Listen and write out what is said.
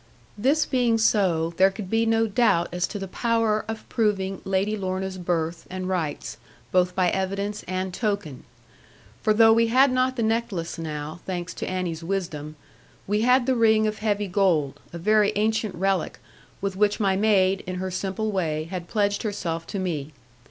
This being so, there could be no doubt as to the power of proving Lady Lorna's birth, and rights, both by evidence and token. For though we had not the necklace now thanks to Annie's wisdom we had the ring of heavy gold, a very ancient relic, with which my maid (in her simple way) had pledged herself to me.